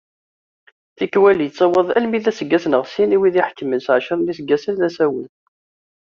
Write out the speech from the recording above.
Tikwal yettaweḍ almi d aseggas neɣ sin i wid iḥekmen s ɛecra n yiseggasen d asawen.